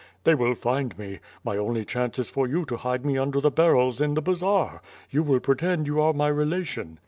"They will find nie. My only chance is for you to hide me under the barrels in the bazaar. You will pretend you are my relation."